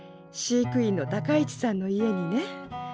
飼育員の高市さんの家にね。